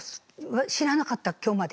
知らなかった今日まで。